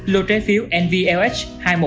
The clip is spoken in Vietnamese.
lô trái phiếu nvlh hai trăm một mươi hai bốn nghìn hai